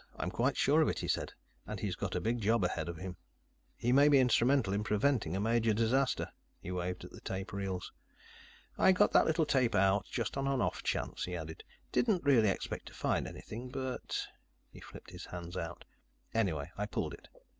"I'm quite sure of it," he said. "And he's got a big job ahead of him. He may be instrumental in preventing a major disaster." He waved at the tape reels. "I got that little tape out just on an off chance," he added. "Didn't really expect to find anything, but " He flipped his hands out. "Anyway, I pulled it."